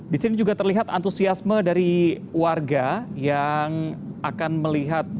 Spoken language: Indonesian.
di sini juga terlihat antusiasme dari warga yang akan melihat